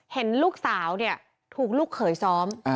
เห็นลูกสาวเนี่ยถูกลูกเขยซ้อม